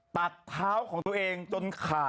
ตัดเท้าของตัวเองจนขาดนะครับ